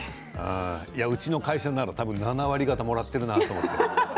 うちの会社なら７割方もらってると思う。